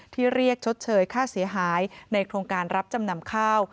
เรียกชดเชยค่าเสียหายในโครงการรับจำนำข้าว